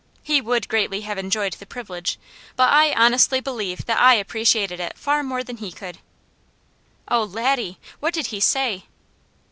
He would greatly have enjoyed the privilege, but I honestly believe that I appreciated it far more than he could.'" "Oh Laddie, what did he say?"